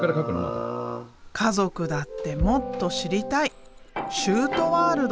家族だってもっと知りたい修杜ワールド。